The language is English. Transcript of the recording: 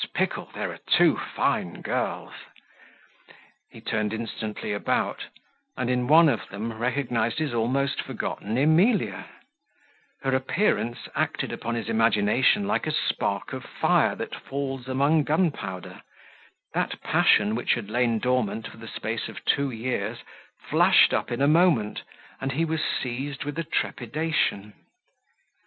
Pickle, there are two fine girls!" He turned instantly about, and in one of them recognized his almost forgotten Emilia; her appearance acted upon his imagination like a spark of fire that falls among gun powder; that passion which had lain dormant for the space of two years, flashed up in a moment, and he was seized with a trepidation.